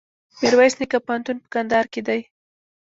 میرویس نیکه پوهنتون په کندهار کي دی.